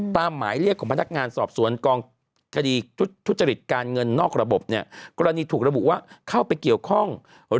หมายเรียกของพนักงานสอบสวนกองคดีทุจริตการเงินนอกระบบเนี่ยกรณีถูกระบุว่าเข้าไปเกี่ยวข้อง